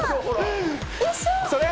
それ？